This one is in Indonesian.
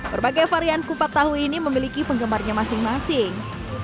berbagai varian kupat tahu ini memiliki penggemarnya masing masing